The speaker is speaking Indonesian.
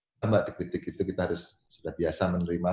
mbak dikritik itu kita harus sudah biasa menerima